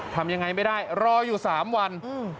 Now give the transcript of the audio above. ทำยังไงไม่ได้รออยู่สามวันอืม